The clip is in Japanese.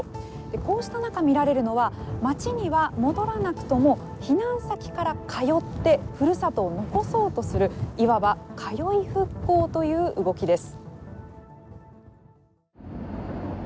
こうした中、見られるのは町には戻らなくとも避難先から通ってふるさとを残そうとするいわば「通い復興」という動きです。